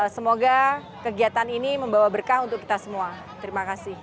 semoga kegiatan ini membawa berkah untuk kita semua terima kasih